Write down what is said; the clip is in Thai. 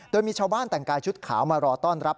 โดยมีชาวบ้านแต่งกายชุดขาวมารอต้อนรับ